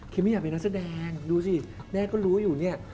ไม่อยากเป็นนักแสดงดูสิแม่ก็รู้อยู่เนี่ย